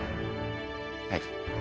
はい。